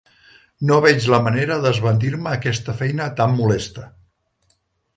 No veig la manera d'esbandir-me aquesta feina tan molesta.